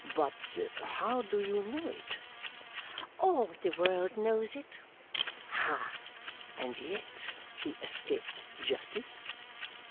But how do you know it?' 'All the world knows it.' 'Hah! And yet he escaped justice?